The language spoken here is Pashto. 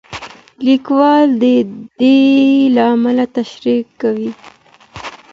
لیکوال د دې لامل تشریح کوي.